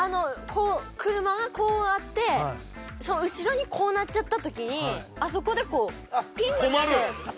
車がこうあって後ろにこうなっちゃった時にあそこでこう、ピンッて。